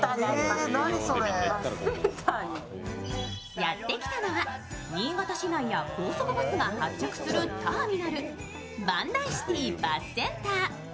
やってきたのは新潟市内や高速バスが発着するターミナル万代シテイバスセンター。